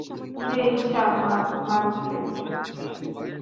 যে ইচ্ছা মারুক গে।